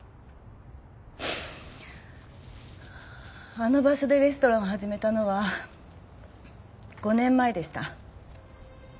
あの場所でレストランを始めたのは５年前でした。